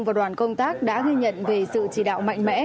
và đoàn công tác đã ghi nhận về sự chỉ đạo mạnh mẽ